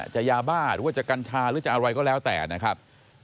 จะยาบ้าหรือว่าจะกัญชาหรือจะอะไรก็แล้วแต่นะครับ